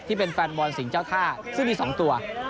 ที่เป็นแฟนบอลสิ่งเจ้าท่าซึ่งมี๒ตัว